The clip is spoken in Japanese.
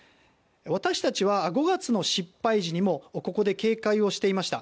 私たちは５月の失敗時にもここで警戒をしていました。